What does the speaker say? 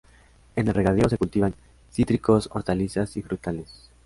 En el regadío se cultivan cítricos, hortalizas y frutales.